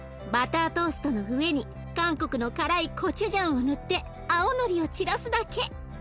バタートーストの上に韓国の辛いコチュジャンを塗って青のりを散らすだけ。